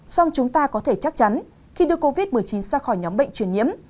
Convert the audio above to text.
xong chúng ta có thể chắc chắn khi đưa covid một mươi chín ra khỏi nhóm bệnh truyền nhiễm